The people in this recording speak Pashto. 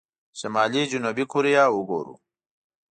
شمالي جنوبي کوريا وګورو.